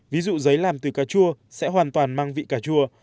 ví dụ giấy làm từ cà chua sẽ hoàn toàn mang vị cà chua